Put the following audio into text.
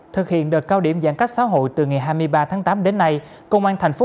thực hiện đợt cao điểm giãn cách xã hội từ ngày hai mươi ba tháng tám đến nay công an thành phố